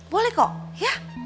boleh kok ya